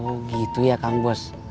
terus selanjutnya kumaha kang bos